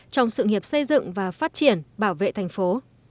trong sự nghiệp xây dựng và phát triển bảo vệ thành phố